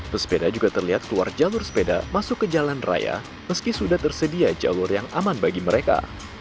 pesepeda juga terlihat keluar jalur sepeda masuk ke jalan raya meski sudah tersedia jalur yang aman bagi mereka